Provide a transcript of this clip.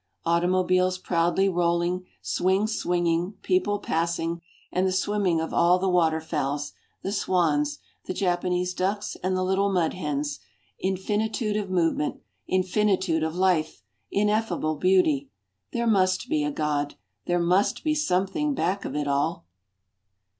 Automobiles proudly rolling, swings swinging, people passing, and the swimming of all the water fowls, the swans, the Japanese ducks and the little mud hens. Infinitude of movement, infinitude of life, ineffable beauty. There must be a God. There must be Something back of it all.